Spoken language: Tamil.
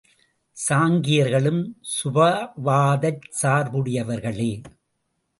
சாங்கியர்களும் சுபாவவாதச் சார்புடையவர்களே.